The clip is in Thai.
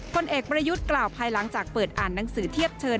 ผลเอกประยุทธ์กล่าวภายหลังจากเปิดอ่านหนังสือเทียบเชิญ